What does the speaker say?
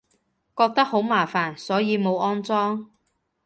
覺得好麻煩，所以冇安裝